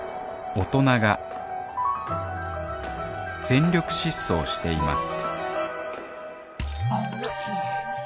大人が全力疾走しています